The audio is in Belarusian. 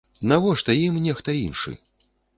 Навошта ім нехта іншы!